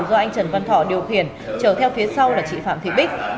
do anh trần văn thọ điều khiển chở theo phía sau là chị phạm thị bích